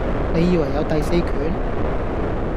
你以為有第四權?